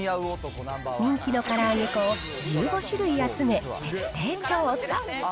人気のから揚げ粉を１５種類集め、徹底調査。